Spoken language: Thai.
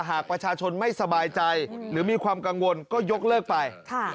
หากประชาชนไม่สบายใจหรือมีความกังวลก็ยกเลิกไป